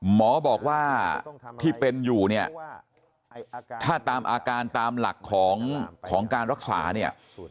หมอบอกว่าที่เป็นอยู่เนี่ยถ้าตามอาการตามหลักของการรักษาเนี่ย